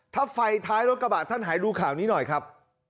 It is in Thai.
ถ้าไฟท้ายรถกระบะท่านหายดูข่าวนี้หน่อยครับ